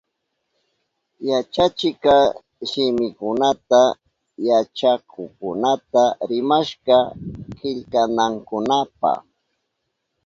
Yachachikka shimikunata yachakukkunata rimashka killkanankunapa.